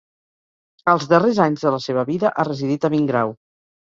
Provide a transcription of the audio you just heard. Els darrers anys de la seva vida ha residit a Vingrau.